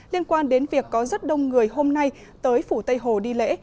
liên quan đến việc có rất đông người hôm nay tới phủ tây hồ đi lễ